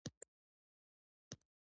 د اسلامي نړۍ ټینګې او مضبوطي کلاګانې کومي دي؟